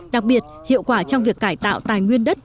đặc biệt hiệu quả trong việc cải tạo tài nguyên đất